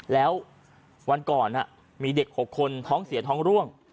แล้ววันก่อนมีเด็ก๖คนท้องเสียท้องร่วง